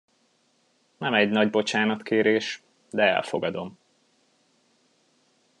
Nem egy nagy bocsánatkérés, de elfogadom.